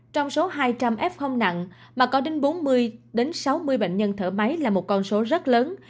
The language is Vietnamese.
trong số hai trăm linh f nặng mà có đến bốn mươi sáu mươi bệnh nhân thở máy là một con số rất lớn